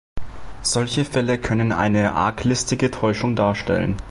Solche Fälle können eine arglistige Täuschung darstellen.